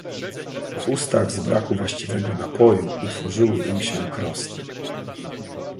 "W ustach, z braku właściwego napoju, utworzyły im się krosty."